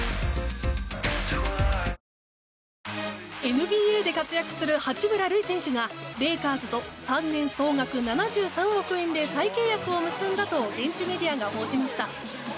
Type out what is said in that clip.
ＮＢＡで活躍する八村塁選手がレイカーズと３年総額７３億円で再契約を結んだと現地メディアが報じました。